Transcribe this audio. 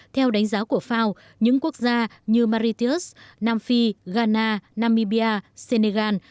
theo đánh giá của fao những quốc gia như maritius nam phi ghana namibia senegal